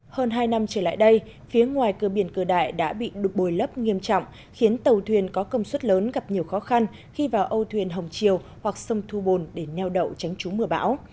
hơn hai năm trở lại đây phía ngoài cơ biển cửa đại đã bị đục bồi lấp nghiêm trọng khiến tàu thuyền có công suất lớn gặp nhiều khó khăn khi vào âu thuyền hồng triều hoặc sông thu bồn để neo đậu tránh trú mưa bão